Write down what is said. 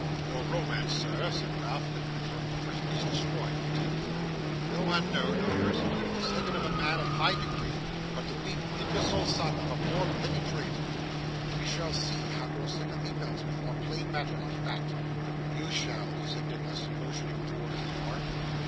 'Your romance, sir,' said Ralph, lingering for a moment, 'is destroyed, I take it. No unknown; no persecuted descendant of a man of high degree; but the weak, imbecile son of a poor, petty tradesman. We shall see how your sympathy melts before plain matter of fact.' 'You shall,' said Nicholas, motioning towards the door.